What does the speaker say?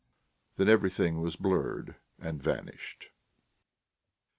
Then everything was blurred and vanished.